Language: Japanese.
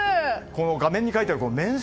画面に描いてあるめん